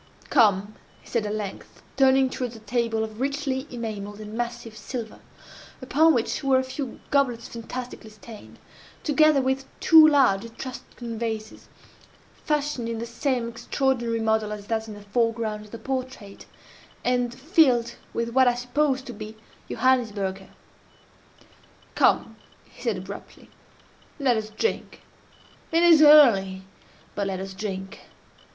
"Come," he said at length, turning towards a table of richly enamelled and massive silver, upon which were a few goblets fantastically stained, together with two large Etruscan vases, fashioned in the same extraordinary model as that in the foreground of the portrait, and filled with what I supposed to be Johannisberger. "Come," he said, abruptly, "let us drink! It is early—but let us drink.